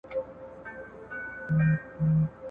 له ازله تر ابده په همدې رنځ مبتلا یو `